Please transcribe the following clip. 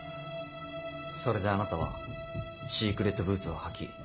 それであなたはシークレットブーツを履き